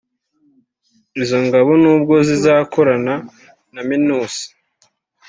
Izo ngabo nubwo zizakorana na Minuss